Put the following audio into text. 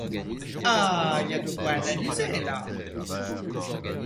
Ah, y’a de quoi analyser, là !